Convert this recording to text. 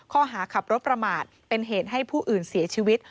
ข้อหาขับรถประมาทเป็นเหตุให้ผู้อื่นเสียชีวิต